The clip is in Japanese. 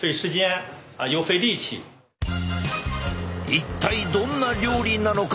一体どんな料理なのか？